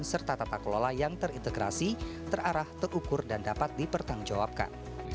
serta tata kelola yang terintegrasi terarah terukur dan dapat dipertanggungjawabkan